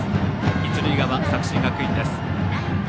一塁側、作新学院です。